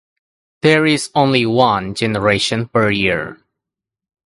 There is only one generation per year.